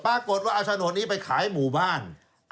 ปรากฏว่าเอาโฉนดนี้ไปขายหมู่บ้าน